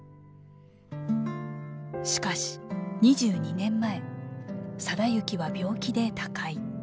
しかし２２年前定之は病気で他界。